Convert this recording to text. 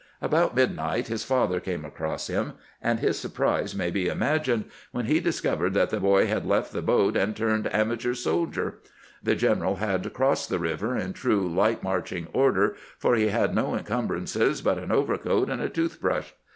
About midnight his father came across him, and his surprise may be imagined when he discovered that the boy had left the boat and turned amateur soldier. The general had crossed the river in true light marching order, for he 364 CAMPAIGNING WITH GRANT had no encumbrances but an overcoat and a tooth brush.